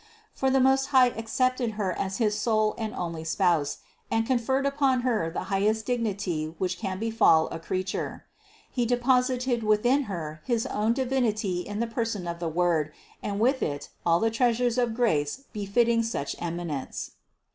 For the Most High accepted Her as his sole and only Spouse and conferred upon Her the highest dignity which can befall a creature; He deposited within Her his own Divinity in the person of the Word and with it all the treasures of grace befitting such eminence.